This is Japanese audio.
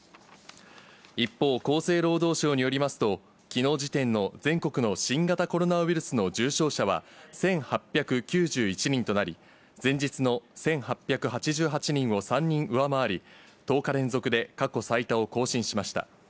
一方、厚生労働省によりますと、きのう時点の全国の新型コロナウイルスの重症者は、１８９１人となり、前日の１８８８人を３人上回り、１０日連続で過去最多を更新しました。